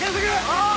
ああ！